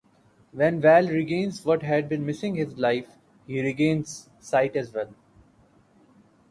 When Val regains what had been missing his life, he regains sight as well.